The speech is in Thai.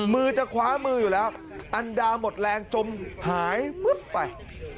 มือจะคว้ามืออยู่แล้วอันดาหมดแรงจมหายปึ๊บไป